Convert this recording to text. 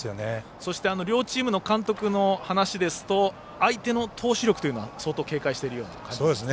そして両チームの監督の話ですと相手の投手力というのを相当警戒しているようですね。